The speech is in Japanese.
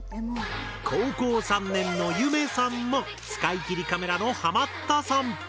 高校３年のゆめさんも使い切りカメラのハマったさん。